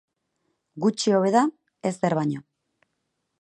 Gutxi hobe da ezer ez baino.